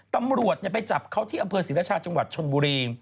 ตำรวจไปจับเขาที่อำเภอศรีรชาจังหวัดชนบุรี